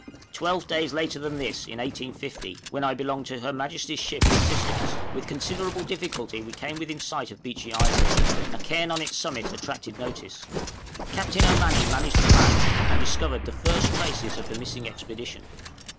Twelve days later than this in 1850, when I belonged to Her Majesty's ship 'Assistance,' with considerable difficulty we came within sight of Beechey Island; a cairn on its summit attracted notice; Captain Ommanney managed to land, and discovered the first traces of the missing expedition.